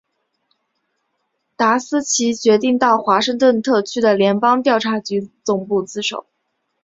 达斯奇决定到华盛顿特区的联邦调查局总部自首。